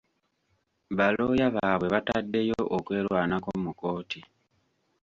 Balooya baabwe bataddeyo okwerwanako mu kkooti.